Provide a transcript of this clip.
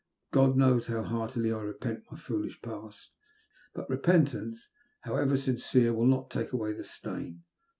God knows how heartily I repent my foolish past. But repentance, however sincere, will not take away the stain.